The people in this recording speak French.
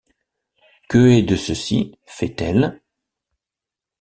Que est de cecy ? feit-elle.